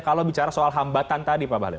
kalau bicara soal hambatan tadi pak bahlil